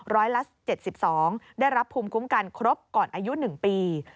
ร้อยละ๗๒ได้รับภูมิคุ้มกันครบก่อนอายุ๑ปี